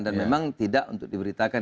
memang tidak untuk diberitakan